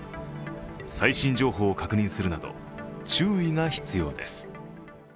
最新情報を確認するなど、注意が必要です。